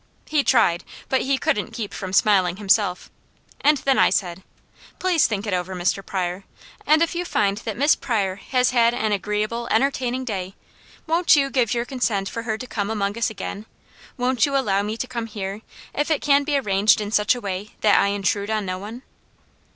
He tried, but he couldn't keep from smiling himself, and then I said: 'Please think it over, Mr. Pryor, and if you find that Miss Pryor has had an agreeable, entertaining day, won't you give your consent for her to come among us again? Won't you allow me to come here, if it can be arranged in such a way that I intrude on no one?'"